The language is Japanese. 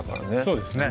そうですね